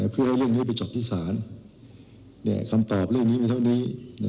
เพื่อให้เรื่องนี้ไปจบที่ศาลคำตอบเรื่องนี้มีเท่านี้